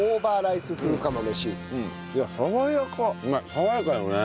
爽やかよね